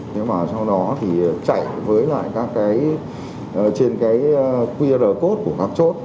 thế và sau đó thì chạy với lại các cái trên cái qr code của các chốt